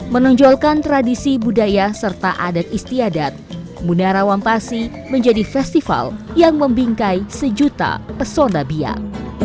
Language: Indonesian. menonjolkan tradisi budaya serta adat istiadat munara wampasi menjadi festival yang membingkai sejuta pesona biak